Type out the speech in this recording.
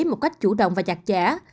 một cách chủ động và chặt chẽ